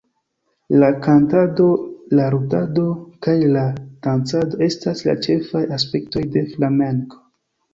La kantado, la ludado kaj la dancado estas la ĉefaj aspektoj de flamenko.